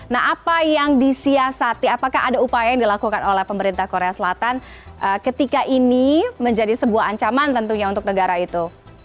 nah apa yang disiasati apakah ada upaya yang dilakukan oleh pemerintah korea selatan ketika ini menjadi sebuah ancaman tentunya untuk negara itu